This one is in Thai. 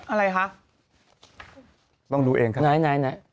อะไรคะต้องดูเองครับไหนไหน